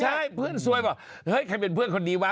ใช่พี่สวยสวยก็เป็นเพื่อนคนนี้วะ